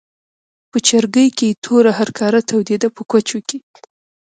په چرګۍ کې یې توره هرکاره تودېده په کوچو کې.